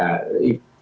ya seperti itu kan ya